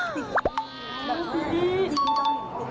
ไปเที่ยว